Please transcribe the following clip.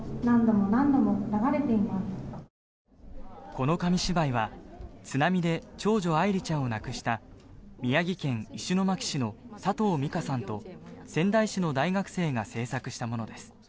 この紙芝居は津波で長女・愛梨ちゃんを亡くした宮城県石巻市の佐藤美香さんと仙台市の大学生が制作したものです。